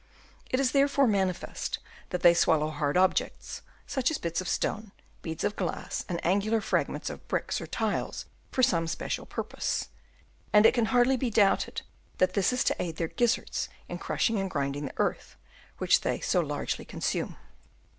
It is therefore manifest that they swallow hard objects, such as bits of stone, beads of glass and angular fragments of bricks or tiles for some special purpose ; and it can hardly be doubted that this is to aid their gizzards in crushing and grinding the earth, which they so largely consume.